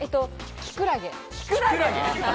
きくらげ。